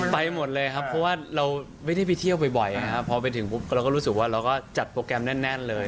ไปหมดเลยครับเพราะว่าเราไม่ได้ไปเที่ยวบ่อยนะครับพอไปถึงปุ๊บเราก็รู้สึกว่าเราก็จัดโปรแกรมแน่นเลย